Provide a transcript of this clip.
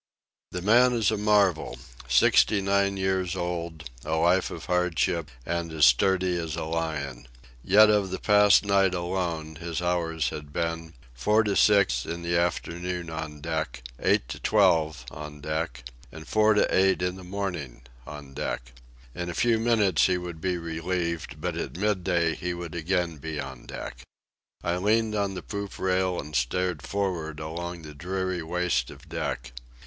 The man is a marvel—sixty nine years old, a life of hardship, and as sturdy as a lion. Yet of the past night alone his hours had been: four to six in the afternoon on deck; eight to twelve on deck; and four to eight in the morning on deck. In a few minutes he would be relieved, but at midday he would again be on deck. I leaned on the poop rail and stared for'ard along the dreary waste of deck.